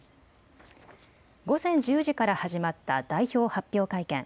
午前１０時から始まった代表発表会見。